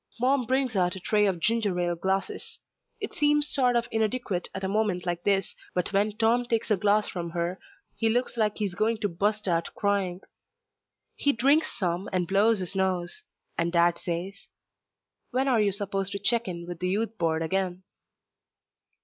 Mom brings out a tray of ginger ale glasses. It seems sort of inadequate at a moment like this, but when Tom takes a glass from her he looks like he's going to bust out crying. He drinks some and blows his nose, and Dad says, "When are you supposed to check in with the Youth Board again?"